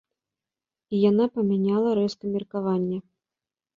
І яна памяняла рэзка меркаванне.